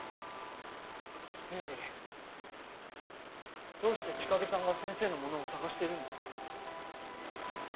それよりどうして千景さんが先生の物を探してるんですか？